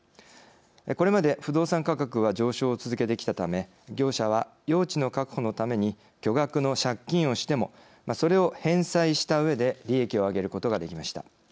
これまで不動産価格は上昇を続けてきたため業者は用地の確保のために巨額の借金をしてもそれを返済したうえで利益を上げることができました。